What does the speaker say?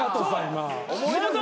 今。